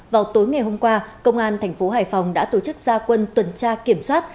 vào tối ngày hôm qua công an thành phố hải phòng đã tổ chức gia quân tuần tra kiểm soát